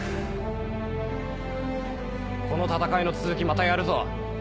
この戦いの続きまたやるぞ。